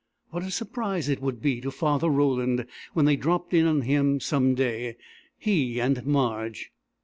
What a surprise it would be to Father Roland when they dropped in on him some day, he and Marge!